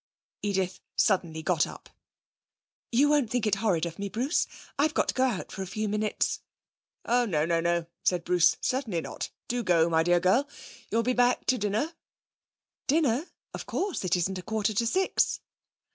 Edith suddenly got up. 'You won't think it horrid of me, Bruce? I've got to go out for a few minutes.' 'Oh no, no, no!' said Bruce. 'Certainly not. Do go, my dear girl. You'll be back to dinner?' 'Dinner? Of course. It isn't a quarter to six.'